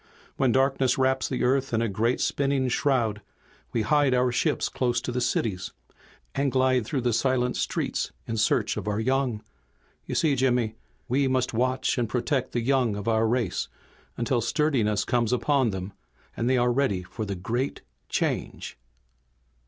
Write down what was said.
When darkness wraps the Earth in a great, spinning shroud we hide our ships close to the cities, and glide through the silent streets in search of our young. You see, Jimmy, we must watch and protect the young of our race until sturdiness comes upon them, and they are ready for the Great Change."